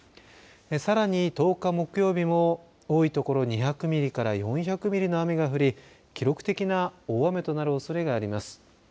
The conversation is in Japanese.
さらに１０日木曜日も多いところ２００ミリから４００ミリの雨が降り記録的な大雨となるおそれがあります。